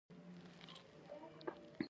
که سهار وختي پاڅو، نو ورځ به اوږده شي.